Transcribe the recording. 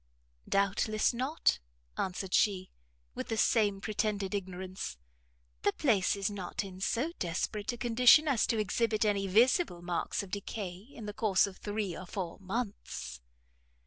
"Doubtless, not," answered she, with the same pretended ignorance, "the place is not in so desperate a condition as to exhibit any visible marks of decay in the course of three or four months."